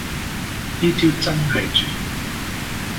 呢招真係絕